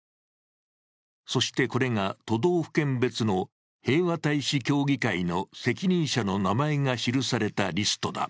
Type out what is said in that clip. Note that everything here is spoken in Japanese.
そして、これが都道府県別の平和大使協議会の責任者の名前が記されたリストだ。